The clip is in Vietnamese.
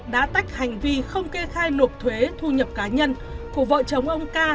đã tách hành vi không kê khai nộp thuế thu nhập cá nhân của vợ chồng ông ca